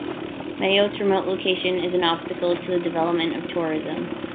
Mayotte's remote location is an obstacle to the development of tourism.